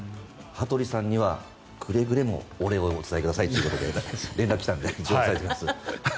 羽鳥さんにはくれぐれもお礼をお伝えくださいということで連絡が来たのでお伝えします。